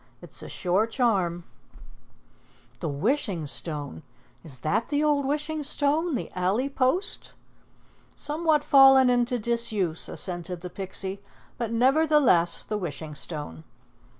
It's a sure charm." "The Wishing Stone! Is that the old Wishing Stone the alley post?" "Somewhat fallen into disuse," assented the Pixie, "but never the less the Wishing Stone."